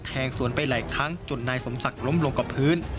สวนไปหลายครั้งจนนายสมศักดิ์ล้มลงกับพื้น